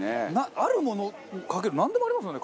あるものにかけるなんでもありますよね